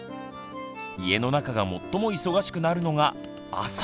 家の中が最も忙しくなるのが「朝」。